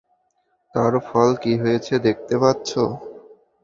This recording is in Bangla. তার ফল কী হয়েছে দেখতে পাচ্ছ?